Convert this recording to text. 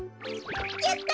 やった！